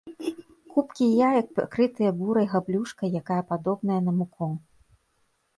Купкі яек пакрытыя бурай габлюшкай якая падобная на муку.